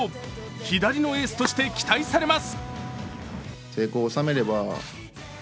左のエースとして期待されます。